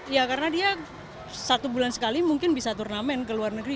ya karena dia satu bulan sekali mungkin bisa turnamen ke luar negeri